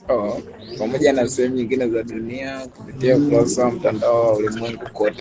Pamoja na sehemu nyingine za dunia kupitia ukurasa wa Mtandao wa Ulimwengu Kote